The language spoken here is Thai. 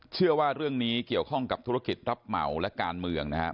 เชื่อว่าเรื่องนี้เกี่ยวข้องกับธุรกิจรับเหมาและการเมืองนะครับ